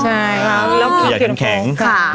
ใช่แล้วขยันแข็งค่ะ